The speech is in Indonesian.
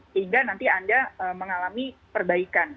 sehingga nanti anda mengalami perbaikan